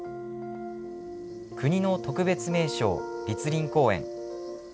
国の特別名勝栗林公園。